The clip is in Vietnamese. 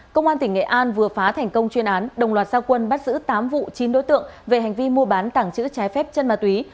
công an tỉnh nghệ an vừa phá thành công chuyên án đồng loạt gia quân bắt giữ tám vụ chín đối tượng về hành vi mua bán tảng chữ trái phép chân ma túy